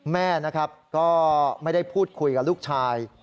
แม่นะครับก็ไม่ได้พูดคุยกับลูกชาย